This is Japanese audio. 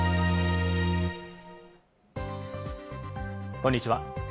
こんにちは。